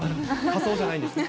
仮装じゃないんですね。